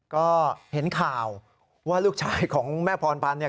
ก็เห็นข่าวว่าลูกชายของแม่พรพันธ์เนี่ย